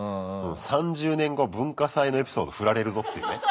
３０年後文化祭のエピソード振られるぞっていうね。